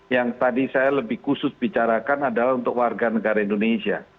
yang tadi saya lebih khusus bicarakan adalah untuk warga negara indonesia